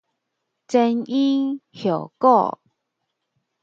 前因後果